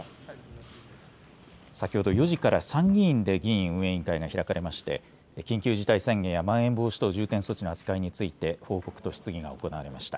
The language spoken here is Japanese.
先ほど４時から参議院で議院運営委員会が開かれまして、緊急事態宣言やまん延防止等重点措置の扱いについて報告と質疑が行われました。